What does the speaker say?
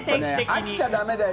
飽きちゃダメだよ。